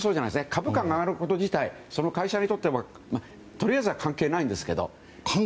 株価が上がること自体その会社にとってとりあえずは関係ないんです。